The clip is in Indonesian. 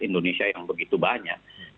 indonesia yang begitu banyak